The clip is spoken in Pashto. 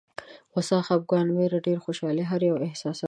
غوسه، خپګان، ویره، ډېره خوښي هر یو احساسات دي.